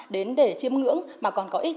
đến để chiếm ngưỡng mà còn có ích